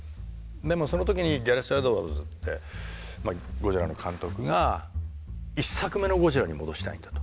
でもその時にギャレス・エドワーズって「ＧＯＤＺＩＬＬＡ」の監督が１作目の「ゴジラ」に戻したいんだと。